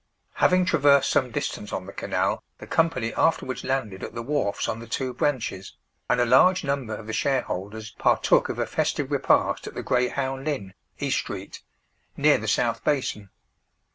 Having traversed some distance on the canal the company afterwards landed at the wharfs on the two branches, and a large number of the shareholders partook of a festive repast at the Greyhound Inn, East Street, near the south basin.